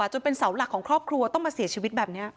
จนเป็นเสาหลักของครอบครัวต้องมาเสียชีวิตแบบนี้